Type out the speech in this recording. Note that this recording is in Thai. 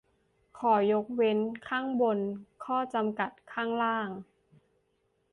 "ข้อยกเว้นข้างบน ข้อจำกัดข้างล่าง"